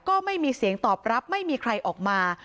ก็ไม่มีเสียงตอบรับไม่มีใครออกมา